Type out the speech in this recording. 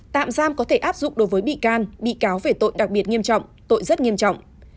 tạm giam có thể áp dụng đối với bị can bị cáo về tội đặc biệt nghiêm trọng tội rất nghiêm trọng